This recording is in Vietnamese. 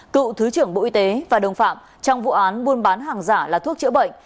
cựu thứ trưởng bộ y tế và đồng phạm trong vụ án buôn bán hàng giả là thuốc chữa bệnh